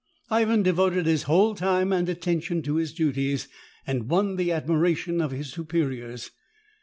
Ivan devoted his whole time and attention to his duties, and won the admiration of his superiors.